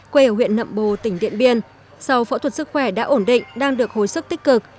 quê ở huyện nậm bồ tỉnh điện biên sau phẫu thuật sức khỏe đã ổn định đang được hồi sức tích cực